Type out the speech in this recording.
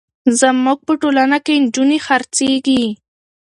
زموږ په ټولنه کې نجونې خرڅېږي.